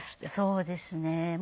そうですね。